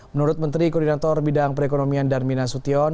menurut menteri koordinator bidang perekonomian darminasution